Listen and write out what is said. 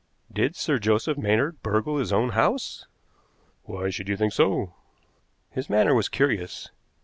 "Did Sir Joseph Maynard burgle his own house?" "Why should you think so?" "His manner was curious.